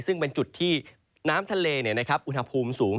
ซึ่งเป็นจุดที่น้ำทะเลอุณหภูมิสูง